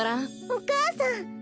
お母さん！